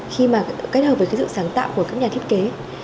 khi kết hợp với sự sáng tạo của các nhà thiết kế